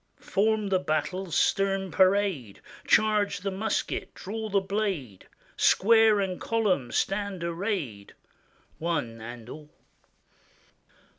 Form the battle's stern parade, Charge the musket, draw the blade; Square and column stand arrayed, One and all.